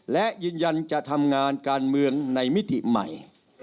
และยืนยันจะทำงานการเมืองในมิติใหม่